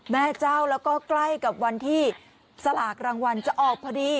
แม่เจ้าแล้วก็ใกล้กับวันที่สลากรางวัลจะออกพอดี